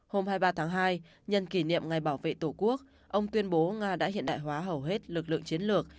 hôm hai mươi ba tháng hai nhân kỷ niệm ngày bảo vệ tổ quốc ông tuyên bố nga đã hiện đại hóa hầu hết lực lượng chiến lược